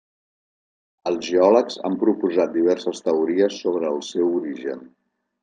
Els geòlegs han proposat diverses teories sobre el seu origen.